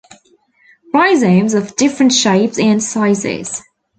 Rhizomes of different shapes and sizes.